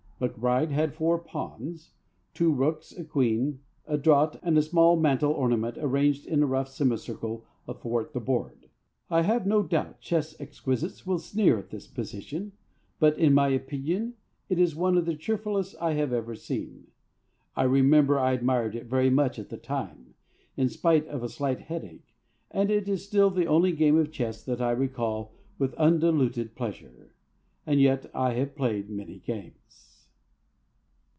MacBryde had four Pawns, two Rooks, a Queen, a draught, and a small mantel ornament arranged in a rough semicircle athwart the board. I have no doubt chess exquisites will sneer at this position, but in my opinion it is one of the cheerfulest I have ever seen. I remember I admired it very much at the time, in spite of a slight headache, and it is still the only game of chess that I recall with undiluted pleasure. And yet I have played many games.